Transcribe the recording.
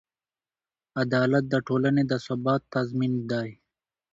عدالت د ټولنې د ثبات تضمین دی.